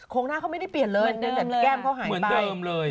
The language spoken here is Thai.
โค้งหน้าเขาไม่ได้เปลี่ยนเลยเหมือนเดิมเลยแต่แก้มเขาหายไปเหมือนเดิมเลย